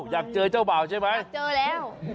อ้าวอยากเจอเจ้าบ่าวใช่ไหมอยากเจอแล้วอยากเจอแล้ว